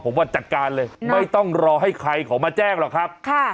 ผมว่าจัดการเลยไม่ต้องรอให้ใครเขามาแจ้งหรอกครับ